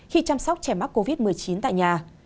khi chăm sóc trẻ mắc covid một mươi chín tại nhà